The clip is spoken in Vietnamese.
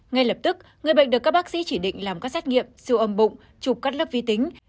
ngay lập tức người bệnh được các bác sĩ chỉ định làm các xét nghiệm siêu âm bụng chụp cắt lớp vi tính